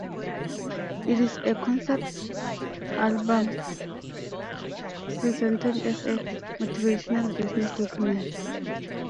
It is a concept album presented as a motivational business document.